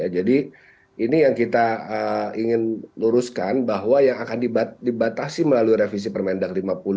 jadi ini yang kita ingin luruskan bahwa yang akan dibatasi melalui revisi permendag lima puluh dua ribu dua puluh